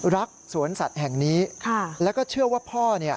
รักสวนสัตว์แห่งนี้แล้วก็เชื่อว่าพ่อเนี่ย